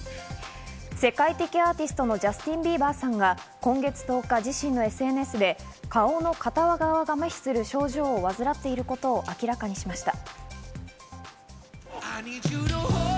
世界的アーティストのジャスティン・ビーバーさんが今月１０日、自身のＳＮＳで顔の片側が麻痺する症状を患っていることを明らかにしました。